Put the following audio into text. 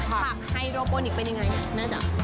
ภักดิ์ไฮโรโปนิกเป็นอย่างไรน่าจะ